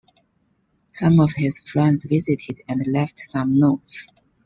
Some of his friends visited, and left some notes.